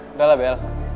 nggak lah bel